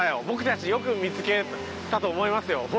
僕たちよく見つけたと思いますよ。